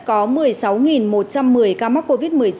có một mươi sáu một trăm một mươi ca mắc covid một mươi chín